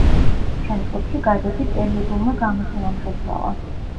შემდგომში გაზეთი პერიოდულმა გამოცემამ შეცვალა.